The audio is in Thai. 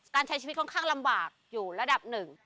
ใช้ชีวิตค่อนข้างลำบากอยู่ระดับหนึ่ง